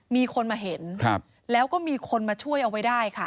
มีคนมาเห็นแล้วก็มีคนมาช่วยเอาไว้ได้ค่ะ